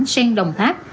sen đồng tháp